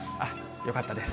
よかったです。